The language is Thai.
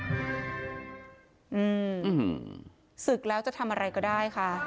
อืมศึกแล้วจะทำอะไรก็ได้ค่ะ